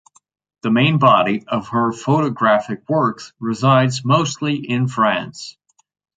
The main body of her photographic works resides mostly in France.